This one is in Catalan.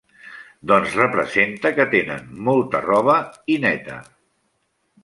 Doncs representa que tenen molta roba i neta!!!